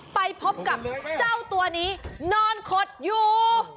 ไปพบกับเจ้าตัวนี้นอนขดอยู่